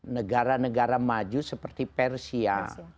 negara negara maju seperti persia